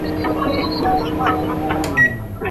علمي سیمینار په غلطه توګه نه تشریح کیږي.